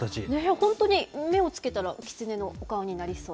本当に目をつけたらきつねのお顔になりそう。